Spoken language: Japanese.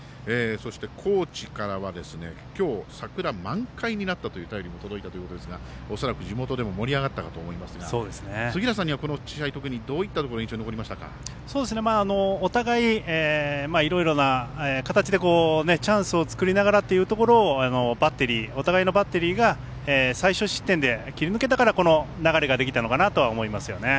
高知からは今日、桜が満開になったという便りも届いたということですが地元でも盛り上がったと思いますが杉浦さんは、この試合どういったところお互い、いろいろな形でチャンスを作りながらっていうところをお互いのバッテリーが最少失点で切り抜けたからこの流れができたのかなとは思いますよね。